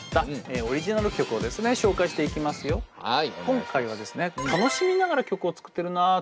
今回はですね「楽しみながら曲を作ってるなあ」